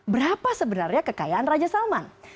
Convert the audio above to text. berapa sebenarnya kekayaan raja salman